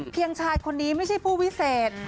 ชายคนนี้ไม่ใช่ผู้วิเศษ